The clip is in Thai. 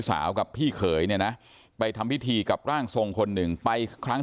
กับพี่เขยเนี่ยนะไปทำพิธีกับร่างทรงคนหนึ่งไปครั้ง